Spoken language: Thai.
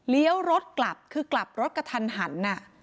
เลี้ยวรถกลับก็คือกลับรถน่ะ